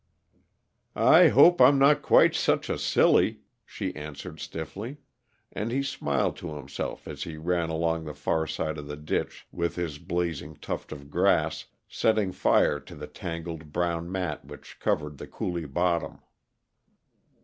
"I hope I'm not quite such a silly," she answered stiffly, and he smiled to himself as he ran along the far side of the ditch with his blazing tuft of grass, setting fire to the tangled, brown mat which covered the coulee bottom.